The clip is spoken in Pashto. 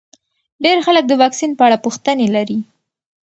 ډېر خلک د واکسین په اړه پوښتنې لري.